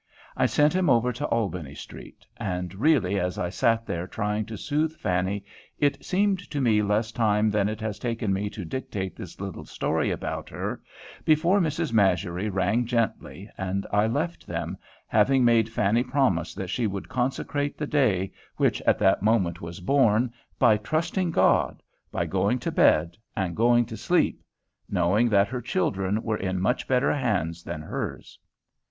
I sent him over to Albany Street; and really as I sat there trying to soothe Fanny, it seemed to me less time than it has taken me to dictate this little story about her, before Mrs. Masury rang gently, and I left them, having made Fanny promise that she would consecrate the day, which at that moment was born, by trusting God, by going to bed and going to sleep, knowing that her children were in much better hands than hers.